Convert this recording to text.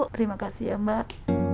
terima kasih ya mbak